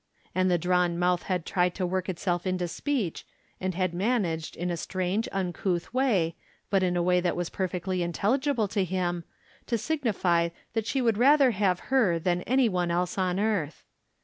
" And the drawn mouth had tried to work itself into speech, and had managed, in a strange, uncouth way, but in a way that was per fectly intelligible to him, to signify that she would rather have her than any one else on earth.